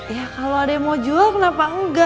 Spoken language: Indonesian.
ya kalo ada yang mau jual kenapa engga